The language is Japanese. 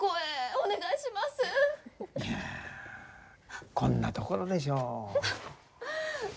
いやあ、こんなところでしょ。